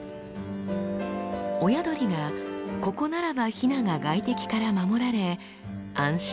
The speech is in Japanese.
親鳥がここならばヒナが外敵から守られ安心できると考えたようです。